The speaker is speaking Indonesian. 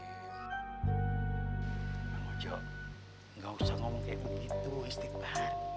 pak ustadz gak usah ngomong kayak begitu istri pak